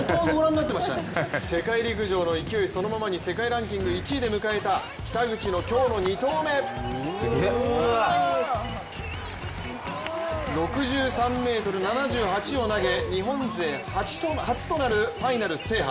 世界陸上そのままに世界ランキング１位で迎えた北口の今日の２投目６３ｍ７８を投げ、日本勢初となるファイナル制覇。